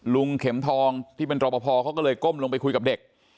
เข็มทองที่เป็นรอปภเขาก็เลยก้มลงไปคุยกับเด็ก